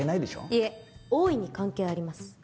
いえ大いに関係あります。